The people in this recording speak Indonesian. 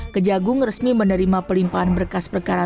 kejaksaan agung resmi menerima pelimpaan berkas perkara